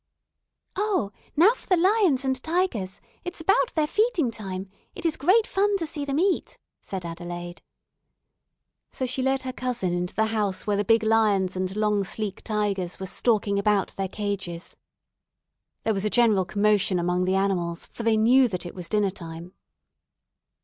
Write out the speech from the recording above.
"Oh, now for the lions and tigers; it's about their feeding time; it is great fun to see them eat," said Adelaide. So she led her cousin into the house where the big lions and long sleek tigers were stalking about their cages. There was a general commotion among the animals, for they knew that it was dinner time.